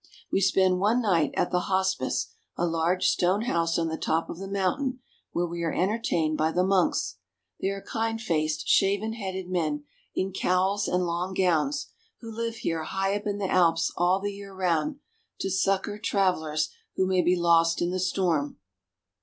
We spend one night at the Hospice, a large stone house on the top of the mountain, where we are entertained by the monks. They are kind faced, shaven headed men, in cowls and long gowns, who live here high up in the Alps all the year round to succor travelers who may be lost in the storm.